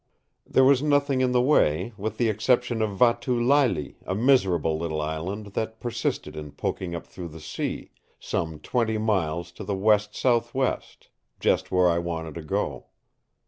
There was nothing in the way with the exception of Vatu Leile, a miserable little island that persisted in poking up through the sea some twenty miles to the west southwest—just where I wanted to go.